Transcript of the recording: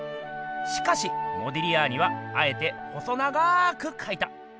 しかしモディリアーニはあえて細長くかいた。